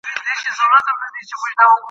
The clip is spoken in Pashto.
دا خط يو متر دئ.